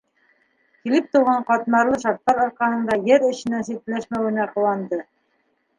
Килеп тыуған ҡатмарлы шарттар арҡаһында ер эшенән ситләшмәүенә ҡыуанды.